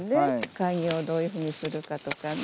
開業をどういうふうにするかとかね。